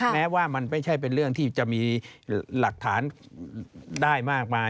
แม้ว่ามันไม่ใช่เป็นเรื่องที่จะมีหลักฐานได้มากมาย